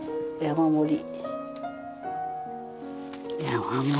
山盛り。